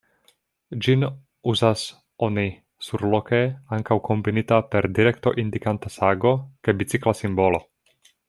Ĝin uzas oni surloke ankaŭ kombinita per direkto-indikanta sago kaj bicikla simbolo.